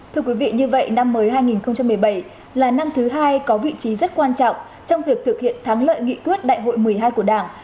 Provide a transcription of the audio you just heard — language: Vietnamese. thưa quý vị như vậy năm mới hai nghìn một mươi bảy là năm thứ hai có vị trí rất quan trọng trong việc thực hiện thắng lợi nghị quyết đại hội một mươi hai của đảng